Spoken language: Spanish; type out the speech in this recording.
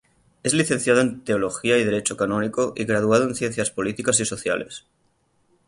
Es Licenciado en teología y Derecho canónico y graduado en ciencias políticas y sociales.